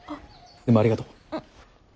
でもありがとう。